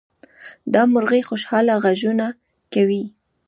دا مرغۍ خوشحاله غږونه کوي.